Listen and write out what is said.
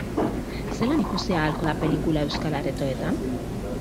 Zelan ikusi ahalko da pelikula euskal aretoetan?